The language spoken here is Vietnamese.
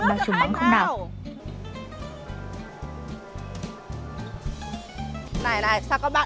cái con này nó đã bảo rồi